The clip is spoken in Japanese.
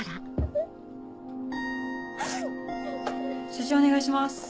写真お願いします。